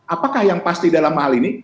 apakah yang pasti dalam hal ini